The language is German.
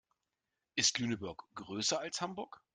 Ist Lüneburg größer als Hamburg?